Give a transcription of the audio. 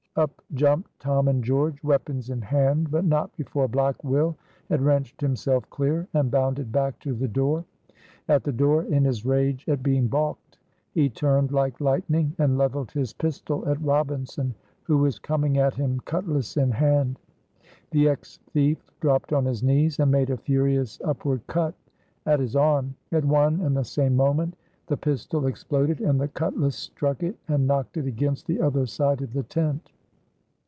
Up jumped Tom and George, weapons in hand, but not before Black Will had wrenched himself clear and bounded back to the door. At the door, in his rage at being balked, he turned like lightning and leveled his pistol at Robinson, who was coming at him cutlass in hand. The ex thief dropped on his knees and made a furious upward cut at his arm. At one and the same moment the pistol exploded and the cutlass struck it and knocked it against the other side of the tent.